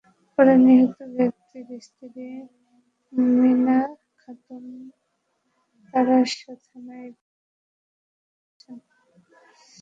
পরে নিহত ব্যক্তির স্ত্রী মিনা খাতুন তাড়াশ থানায় একটি হত্যা মামলা করেছেন।